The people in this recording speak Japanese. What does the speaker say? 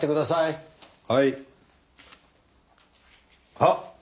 あっ！